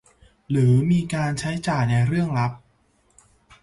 หรือมีการใช้จ่ายในเรื่องลับ